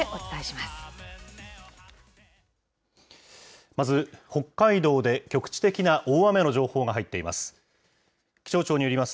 まず北海道で局地的な大雨の情報が入っています。